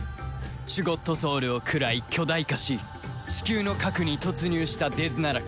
シュゴッドソウルを食らい巨大化しチキューの核に突入したデズナラク